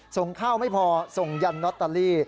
ส่งข้าวไม่พอส่งยันลอตเตอรี่